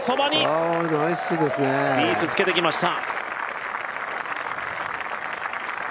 スピース、ピンそばにつけてきました。